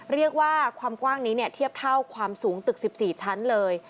เรียกว่าความกว้างนี้เนี่ยเทียบเท่าความสูงตึก๑๔ชั้นเลย